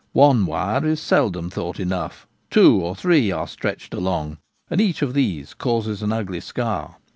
One wire is seldom thought enough. Two or three are stretched along, and each of these causes an ugly scar.